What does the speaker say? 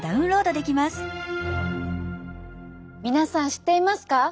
皆さん知っていますか？